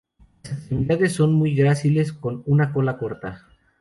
Las extremidades son muy gráciles, con una cola corta.